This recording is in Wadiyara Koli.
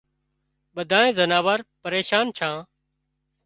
ٻڌانئي زناور پريشان ڇان